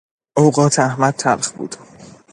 اوقات احمد تلخ بود.